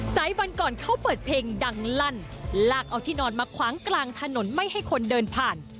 สายวันก่อนเขาเปิดเพลงดังลั่นลากเอาที่นอนมาขวางกลางถนนไม่ให้คนเดินผ่าน